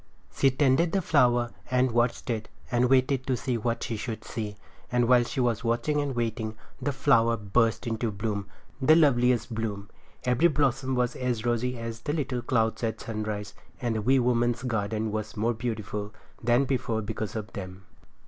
She tended the flower and watched it and waited to see what she should see; and while she was watching and waiting, the flower burst into bloom. The loveliest bloom! Every blossom was as rosy as the little clouds at sunrise; and the wee woman's garden was more beautiful than before because of them.